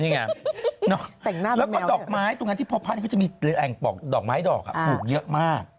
นี่ไงแล้วก็ดอกไม้ตรงนั้นที่พบพระเขาจะมีแอ่งปอกดอกไม้ดอกปลูกเยอะมาก